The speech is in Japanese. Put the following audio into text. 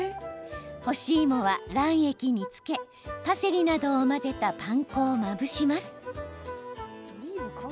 干し芋は卵液につけパセリなどを混ぜたパン粉をまぶします。